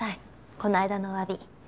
この間のお詫び。